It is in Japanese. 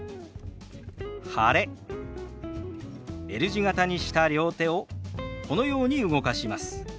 Ｌ字形にした両手をこのように動かします。